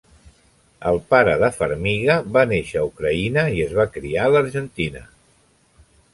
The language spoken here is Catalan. El pare de Farmiga va néixer a Ucraïna i es va criar a Argentina.